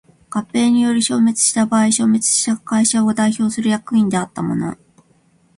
合併により消滅した場合消滅した会社を代表する役員であった者